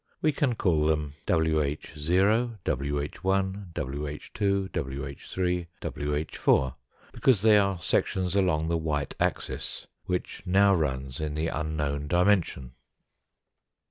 We can call them wh , ivh lt wh. 2 , wh 3 , ivh, because they are sections along the white axis, which now runs in the unknown dimension.